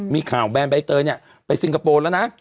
มีข่าวแมนกับใบเตยไปซิงคโปร์แล้วนะ